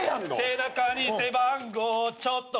「背中に背番号ちょっと張って」